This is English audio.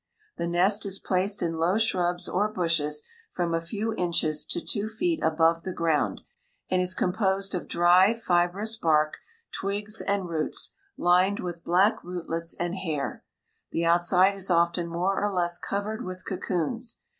The nest is placed in low shrubs or bushes from a few inches to two feet above the ground, and is composed of dry fibrous bark, twigs, and roots, lined with black rootlets and hair. The outside is often more or less covered with cocoons.